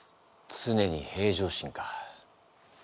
常に平常心か。